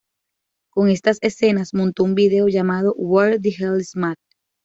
Con estas escenas montó un vídeo llamado Where the Hell is Matt?